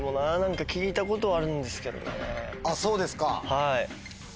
はい。